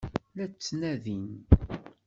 La tt-ttnadin?